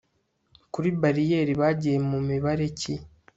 kuri bariyeri bagiye mu mibare ki